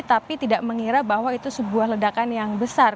tapi tidak mengira bahwa itu sebuah ledakan yang besar